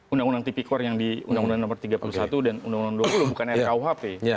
undang undang tipikor yang di undang undang nomor tiga puluh satu dan undang undang dua puluh bukan rkuhp